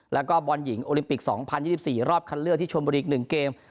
แล้วก็บอลหญิงโอลิมปิก๒๐๒๔รอบคันเลือกที่ชนบุรีอีก๑เกม